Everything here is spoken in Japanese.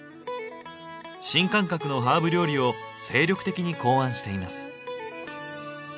新感覚のハーブ料理を精力的に考案しています。